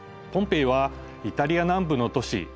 ポンペイはイタリア南部の都市